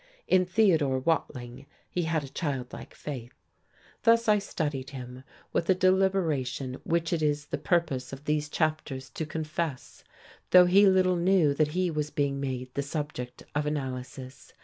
In Theodore Watling he had a childlike faith. Thus I studied him, with a deliberation which it is the purpose of these chapters to confess, though he little knew that he was being made the subject of analysis.